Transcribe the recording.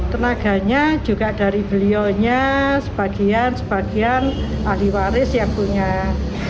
tenaganya juga dari beliaunya sebagian sebagian ahli waris yang punya